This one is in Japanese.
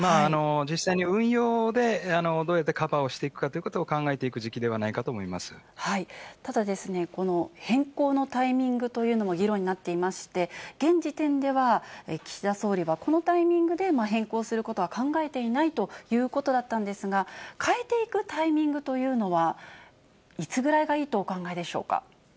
実際に運用でどうやってカバーをしていくかということを考えていただですね、変更のタイミングというのも議論になっていまして、現時点では、岸田総理はこのタイミングで変更することは考えていないということだったんですが、変えていくタイミングというのは、いつぐらいがいいとお考えでしょうか。